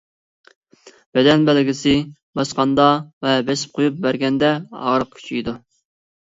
بەدەن بەلگىسى:باسقاندا ۋە بېسىپ قۇيۇپ بەرگەندە ئاغرىق كۈچىيىدۇ.